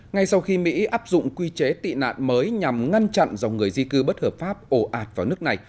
ngay sau khi mỹ áp dụng quy chế tị nạn mới nhằm ngăn chặn dòng người di cư bất hợp pháp ổ ạt vào nước này